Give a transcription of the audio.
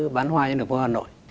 bán hoa trên đường phố hà nội